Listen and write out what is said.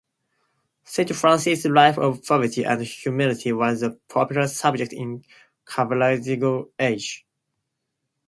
Saint Francis's life of poverty and humility was a popular subject in Caravaggio's age.